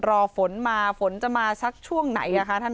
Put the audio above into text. รอฝนมาฝนจะมาสักช่วงไหนคะท่าน